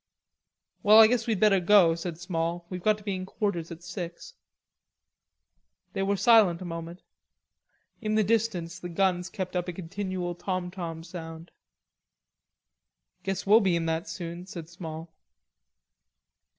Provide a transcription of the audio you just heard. "Well, I guess we'd better go," said Small. "We got to be in quarters at six." They were silent a moment. In the distance the guns kept up a continual tomtom sound. "Guess we'll be in that soon," said Small.